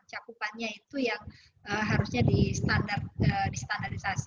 cakupannya itu yang harusnya di standarisasi